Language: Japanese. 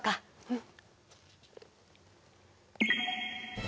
うん。